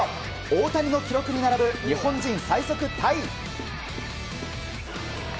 大谷の記録に並ぶ日本人最速タイ。